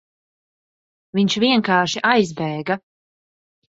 Viņš vienkārši aizbēga.